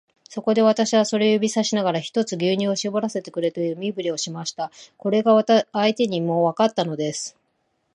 そこで、私はそれを指さしながら、ひとつ牛乳をしぼらせてくれという身振りをしました。これが相手にもわかったのです。